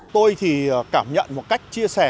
tôi thì cảm nhận một cách chia sẻ